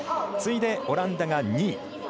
次いで、オランダが２位。